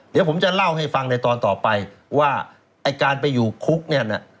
เดี๋ยวผมจะเล่าให้ฟังในตอนต่อไปว่าไอ้การไปอยู่คุกเนี่ยนะ